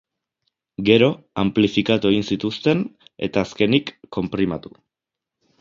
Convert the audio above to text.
Gero, anplifikatu egin zituzten, eta azkenik, konprimatu.